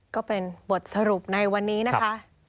ก็เป็นบทสรุปในวันนี้นะคะ